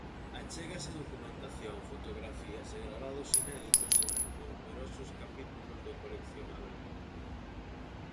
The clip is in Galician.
Achégase documentación, fotografías e gravados inéditos en numerosos capítulos do coleccionábel.